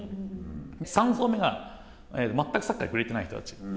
３層目が、全くサッカーに触れていない人たち。